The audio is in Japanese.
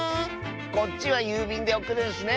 こっちはゆうびんでおくるんスね！